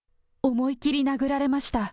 思い切り殴られました。